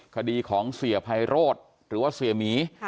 คดีของเศยภัยโรดหรือว่าเศยหมี